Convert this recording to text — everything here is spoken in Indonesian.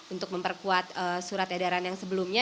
untuk memperkuat surat edaran yang sebelumnya